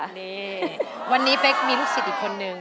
นี่วันนี้เป๊กมีลูกศิษย์อีกคนนึง